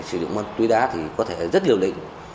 sử dụng mà tùy đá thì có thể rất hiệu định